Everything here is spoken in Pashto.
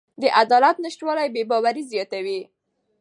د عدالت نشتوالی بې باوري زیاتوي